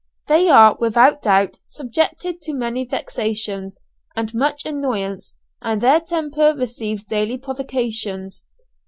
They are, without doubt, subjected to many vexations, and much annoyance, and their temper receives daily provocations.